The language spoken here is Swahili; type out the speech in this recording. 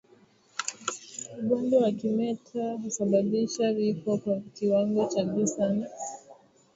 Ugonjwa wa kimeta husababisha vifo kwa kiwango cha juu sana